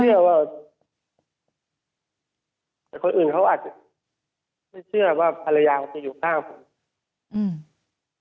ผมเชื่อว่าคนอื่นไม่เชื่อว่าภรรยาจะอยู่ข้างผม